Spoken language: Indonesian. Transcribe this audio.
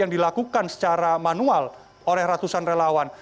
yang dilakukan secara manual oleh ratusan relawan